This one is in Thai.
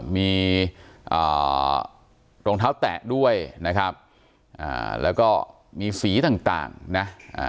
มีโรงเท้าแตะด้วยนะครับแล้วก็มีสีต่างนะ